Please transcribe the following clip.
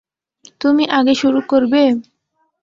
তুমি আগে শুরু করবে?